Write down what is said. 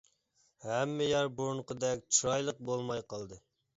ھەممە يەر بۇرۇنقىدەك چىرايلىق بولماي قالدى.